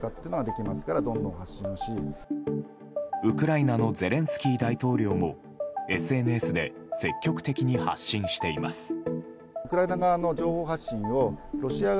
ウクライナのゼレンスキー大統領もＳＮＳで積極的に発信しています。